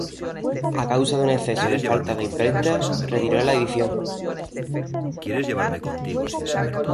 A causa de un exceso de faltas de imprenta, retiró la edición.